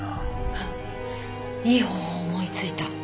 あっいい方法思いついた。